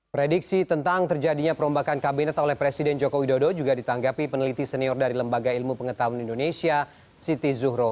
prediksi tentang terjadinya perombakan kabinet oleh presiden joko widodo juga ditanggapi peneliti senior dari lembaga ilmu pengetahuan indonesia siti zuhro